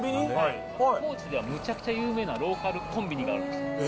高知ではむちゃくちゃ有名なローカルコンビニがあるんです。